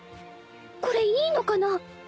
これいいのかな？